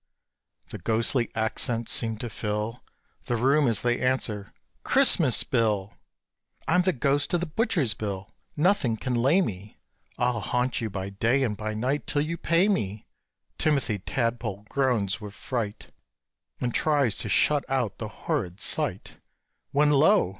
The ghostly accents seem to fill The room as they answer, "Christmas Bill! I'm the ghost of the butcher's bill! nothing can lay me: I'll haunt you by day and by night till you pay me!" Timothy Tadpole groans with fright, And tries to shut out the horrid sight, When lo!